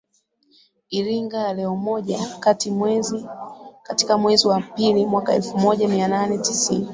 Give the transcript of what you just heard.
Iringa ya leomojaKatika mwezi wa pili mwaka elfu moja mia nane tisini